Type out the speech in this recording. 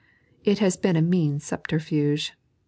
It has been a mean subterfuge.